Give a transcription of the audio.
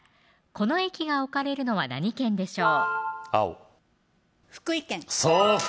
この駅が置かれるのは何県でしょう